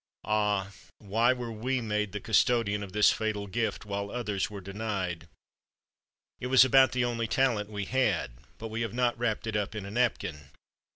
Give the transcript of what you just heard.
"Ah, why were we made the custodian of this fatal gift, while others were denied? It was about the only talent we had, but we have not wrapped it up in a napkin.